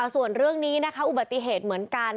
ส่วนเรื่องนี้นะคะอุบัติเหตุเหมือนกัน